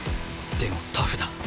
でもタフだ。